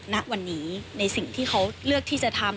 ณวันนี้ในสิ่งที่เขาเลือกที่จะทำ